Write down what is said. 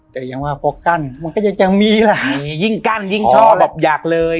แต่อย่างว่าพอกั้นมันก็จะยังมีแหละยิ่งกั้นยิ่งชอบแบบอยากเลย